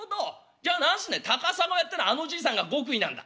じゃあ何すね『高砂や』ってのはあのじいさんが極意なんだ？」。